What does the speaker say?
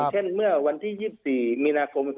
เช่นเมื่อวันที่๒๔มีนาคม